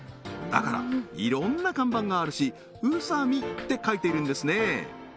だからいろんな看板があるし宇佐美って書いているんですね